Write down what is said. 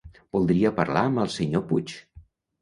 Voldria parlar amb el senyor Puig.